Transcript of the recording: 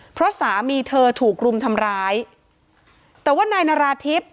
เพราะสามีเธอถูกรุมทำร้ายแต่ว่านายนาราธิบ